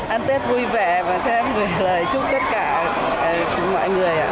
ăn tết vui vẻ và cho em lời chúc tất cả mọi người